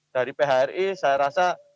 dari phri saya rasa